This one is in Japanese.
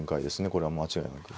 これは間違いなく。